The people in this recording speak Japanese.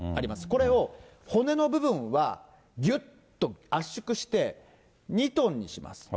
これを骨の部分はぎゅっと圧縮して２トンにします。